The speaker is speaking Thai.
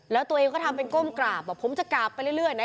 แล้วตัวเองก็ทำเป็นก้มกราบบอกผมจะกราบไปเรื่อยนะ